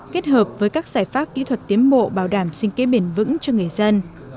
kết hợp với các giải pháp kỹ thuật tiến bộ bảo đảm sinh kế bền vững cho người dân